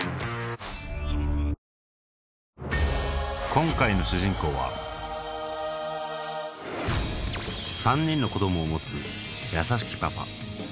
今回の主人公は３人の子供を持つ優しきパパ